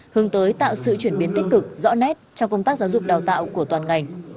hướng tới tạo sự chuyển biến tích cực rõ nét trong công tác giáo dục đào tạo của toàn ngành